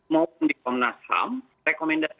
maupun di komnas ham rekomendasi